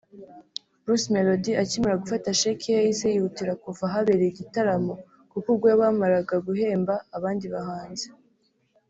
Bruce Melodie akimara gufata sheki ye yahise yihutira kuva ahabereye igitaramo kuko ubwo bamaraga guhemba abandi bahanzi